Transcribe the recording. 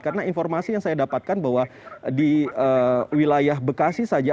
karena informasi yang saya dapatkan bahwa di wilayah bekasi saja